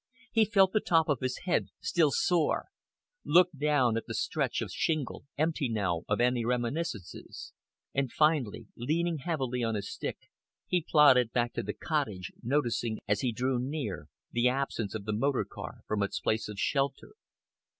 He felt the top of his head, still sore; looked down at the stretch of shingle, empty now of any reminiscences; and finally, leaning heavily on his stick, he plodded back to the cottage, noticing, as he drew near, the absence of the motor car from its place of shelter.